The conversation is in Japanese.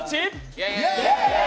イエーイ。